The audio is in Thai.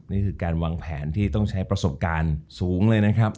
นี่คือการวางแผนที่ต้องใช้ประสบการณ์สูงเลยนะครับ